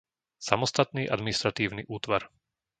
samostatný administratívny útvar